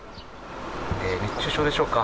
熱中症でしょうか。